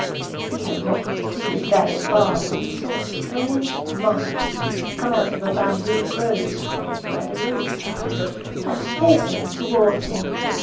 He had not proceeded very far when he saw a strange monk come out of a bamboo grove by the road side, and hasten towards him.